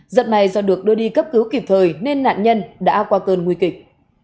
dập này do được đưa đi cấp cứu kịp thời nên nạn nhân đã qua cơn nguy kịch